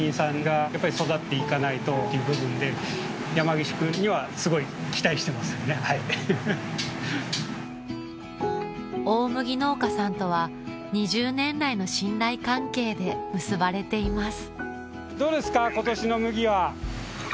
伝統の技術は次の世代へ大麦農家さんとは２０年来の信頼関係で結ばれています